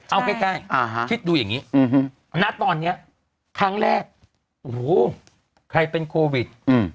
เอาใกล้คิดดูอย่างนี้ณตอนนี้ครั้งแรกโอ้โหใครเป็นโควิด